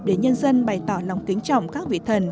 để nhân dân bày tỏ lòng kính trọng các vị thần